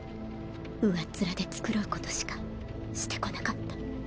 上っ面で繕うことしかしてこなかった。